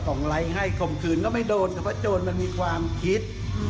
ส่องไลค์ให้คมคืนก็ไม่โดนเพราะว่าโจรมันมีความคิด